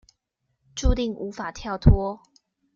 註定無法跳脫